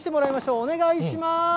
お願いします。